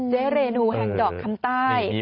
เจรนูแฮคดอกคำใต้